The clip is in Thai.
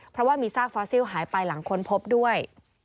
เพราะว่ามีซากฟอสซิลหายไปหลังค้นพบด้วย